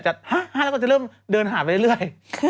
๕๕แล้วก็จะเริ่มเดินหาไปเรื่อย